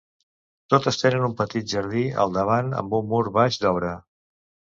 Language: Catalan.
Totes tenen un petit jardí al davant amb un mur baix d'obra.